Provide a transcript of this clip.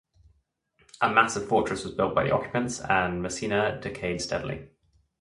A massive fortress was built by the occupants and Messina decayed steadily.